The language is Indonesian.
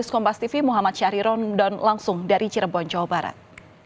ciariron dan langsung dari cirebon jawa barat